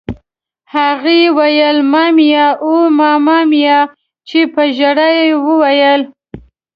هغه یې ویل: مامیا! اوه ماما میا! چې په ژړا یې وویل.